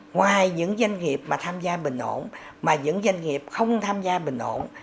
ngoài những doanh nghiệp mà tham gia bình ổn mà những doanh nghiệp không tham gia bình ổn